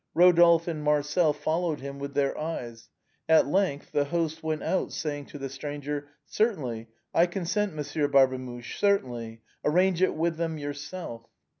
Rodolphe and Marcel followed him with their eyes. At length, the host went out, saying to the stranger :" Certainly, I consent. Monsieur Barbemuche, certainly ; arrange it with them yourself."